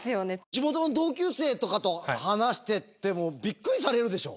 地元の同級生とかと話しててもビックリされるでしょ？